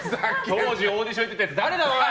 当時オーディションやってたやつ誰だ、おい！